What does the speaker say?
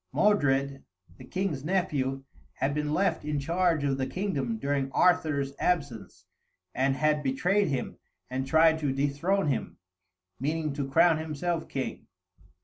Modred, the king's nephew, had been left in charge of the kingdom during Arthur's absence, and had betrayed him and tried to dethrone him, meaning to crown himself king.